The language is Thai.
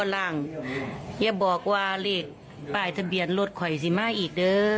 พี่คนนี้คิดมาก